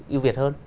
yêu việt hơn